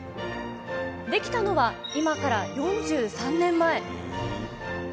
できたのは、今から４３年前。